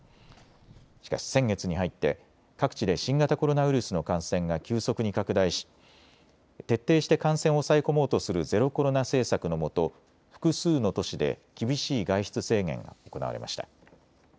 しかし先月に入って各地で新型コロナウイルスの感染が急速に拡大し徹底して感染を抑え込もうとするゼロコロナ政策のもと複数の都市で厳しい外出制限が行われました。